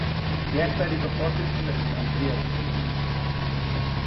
Derzeitiger Vorsitzender ist Andreas Schumann.